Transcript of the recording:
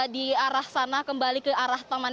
di arah sana kembali ke arah taman